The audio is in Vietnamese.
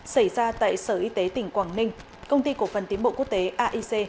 xảy ra tại sở y tế tỉnh quảng ninh công ty cổ phần tiến bộ quốc tế aic